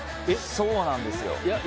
そうなんですよ！